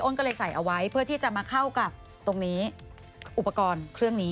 ก็เลยใส่เอาไว้เพื่อที่จะมาเข้ากับตรงนี้อุปกรณ์เครื่องนี้